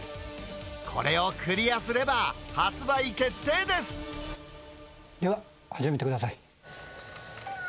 これをクリアすれば、発売決定ででは、始めてください。